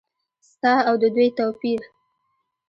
ستا او د دوی توپیر ؟